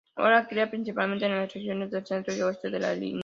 Ahora cría principalmente en las regiones del centro y oeste de la India.